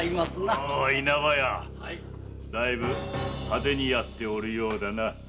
だいぶ派手にやっておるようだな。